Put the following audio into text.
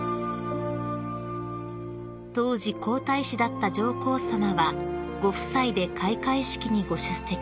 ［当時皇太子だった上皇さまはご夫妻で開会式にご出席］